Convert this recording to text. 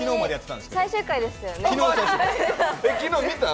最終回でしたよね？